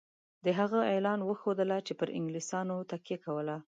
د هغه اعلان وښودله چې پر انګلیسیانو تکیه کوله.